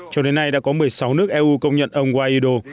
cho đến nay đã có một mươi sáu nước eu công nhận ông guaido